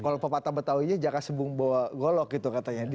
kalau pak patah betahuinya jaka sembung bawah golok gitu katanya